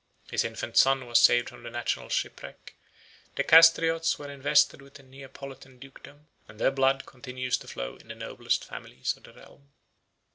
His infant son was saved from the national shipwreck; the Castriots 45 were invested with a Neapolitan dukedom, and their blood continues to flow in the noblest families of the realm.